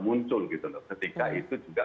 muncul ketika itu juga